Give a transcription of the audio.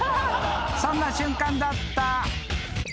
［そんな瞬間だった］